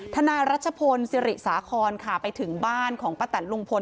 นายรัชพลศิริสาคอนค่ะไปถึงบ้านของป้าแตนลุงพล